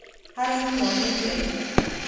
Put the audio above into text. هضم مهم دی.